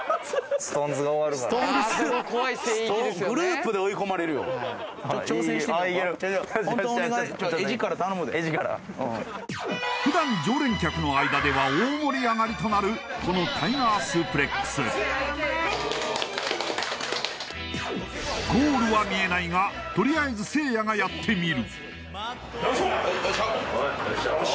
ホントお願いエヂカラふだん常連客の間では大盛り上がりとなるこのタイガースープレックスゴールは見えないがとりあえずせいやがやってみるああ